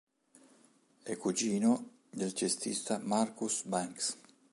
È cugino del cestista Marcus Banks.